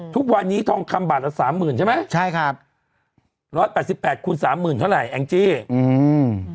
ทุกวันนี้ทองคำบาทละสามหมื่นใช่ไหมใช่ครับร้อยแปดสิบแปดคูณสามหมื่นเท่าไหร่แองจี้อืม